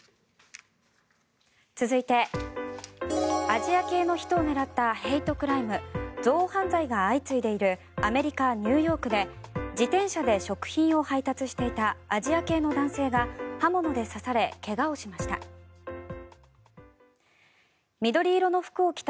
続いてアジア系の人を狙ったヘイトクライム、憎悪犯罪が相次いでいるアメリカ・ニューヨークで自転車で食品を配達していたアジア系の男性が刃物で刺され、怪我をしました。